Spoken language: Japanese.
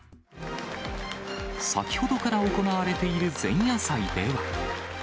先ほどから行われている前夜祭では。